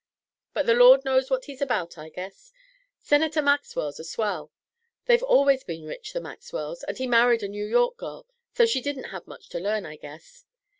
But the Lord knows what he's about, I guess. Senator Maxwell's a swell; they've always been rich, the Maxwells, and he married a New York girl, so she didn't have much to learn, I guess.